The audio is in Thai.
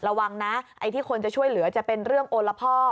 ระวังนะไอ้ที่คนจะช่วยเหลือจะเป็นเรื่องโอละพ่อ